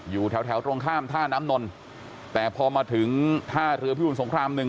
อยู่แถวแถวตรงข้ามท่าน้ำนนแต่พอมาถึงท่าเรือพิบูรสงครามหนึ่ง